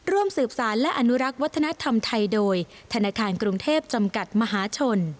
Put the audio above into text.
ร่วมสืบสารและอนุรักษ์วัฒนธรรมไทยโดยธนาคารกรุงเทพจำกัดมหาชน